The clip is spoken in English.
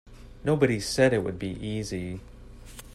Nobody said it would be easy.